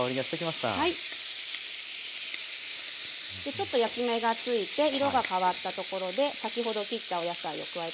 ちょっと焼き目が付いて色が変わったところで先ほど切ったお野菜を加えていきます。